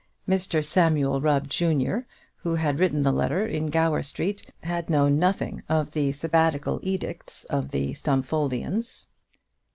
Mr Samuel Rubb, junior, who had written the letter in Gower Street, had known nothing of the Sabbatical edicts of the Stumfoldians.